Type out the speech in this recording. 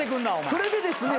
それでですね。